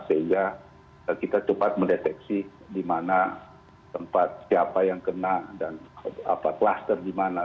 sehingga kita cepat mendeteksi di mana tempat siapa yang kena dan klaster di mana